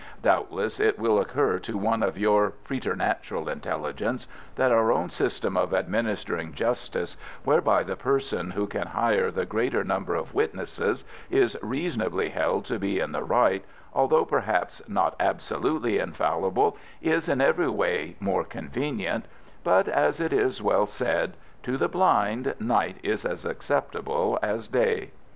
Doubtless it will occur to one of your preternatural intelligence that our own system of administering justice, whereby the person who can hire the greater number of witnesses is reasonably held to be in the right, although perhaps not absolutely infallible, is in every way more convenient; but, as it is well said, "To the blind, night is as acceptable as day."